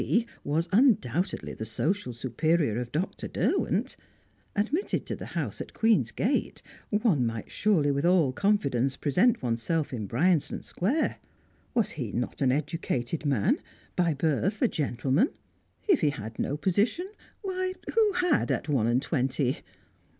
P., was undoubtedly the social superior of Dr. Derwent; admitted to the house at Queen's Gate, one might surely with all confidence present oneself in Bryanston Square. Was he not an educated man, by birth a gentleman? If he had no position, why, who had at one and twenty?